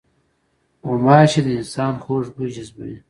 غوماشې د انسان خوږ بوی جذبوي.